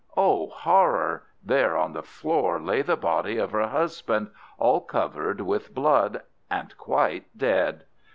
O horror! there on the floor lay the body of her husband, all covered with blood, and quite dead.